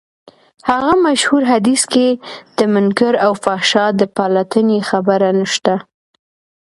هغه مشهور حديث کې د منکر او فحشا د پلټنې خبره نشته.